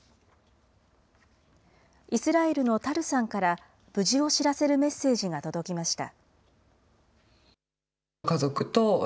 イスラエルのタルさんから、無事を知らせるメッセージが届きました。